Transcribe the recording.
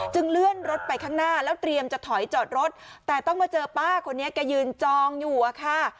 เลื่อนรถไปข้างหน้าแล้วเตรียมจะถอยจอดรถแต่ต้องมาเจอป้าคนนี้แกยืนจองอยู่อะค่ะ